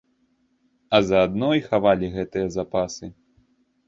А заадно і хавалі гэтыя запасы.